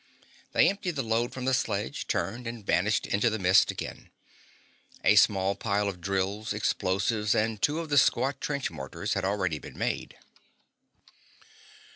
They emptied the load from the sled, turned, and vanished into the mist again. A small pile of drills, explosives, and two of the squat trench mortars had already been made.